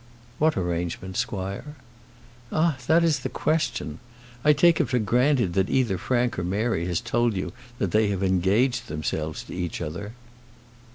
"What arrangement, squire?" "Ah! that is the question. I take it for granted that either Frank or Mary has told you that they have engaged themselves to each other."